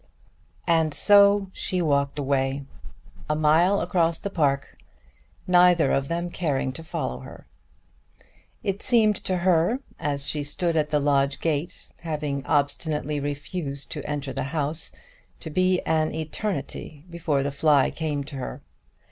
And so she walked away a mile across the park, neither of them caring to follow her. It seemed to her as she stood at the lodge gate, having obstinately refused to enter the house, to be an eternity before the fly came to her.